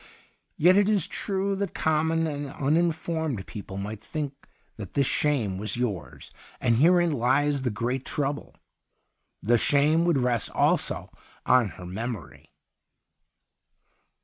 Yet it is true that common and uninformed people might think that this shame was yours. And herein lies the 120 THE UNDYING THING great trouble — the shame would rest also on her memory.'